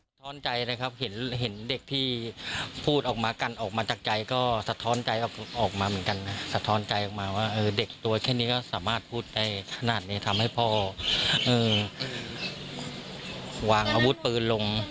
ท้อนใจนะครับเห็นเด็กที่พูดออกมากันออกมาจากใจก็สะท้อนใจออกมาเหมือนกันนะสะท้อนใจออกมาว่าเด็กตัวแค่นี้ก็สามารถพูดได้ขนาดนี้ทำให้พ่อวางอาวุธปืนลง